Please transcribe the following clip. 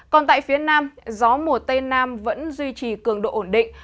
còn tại phía nam gió mùa tây nam vẫn duy trì cường độ ổn định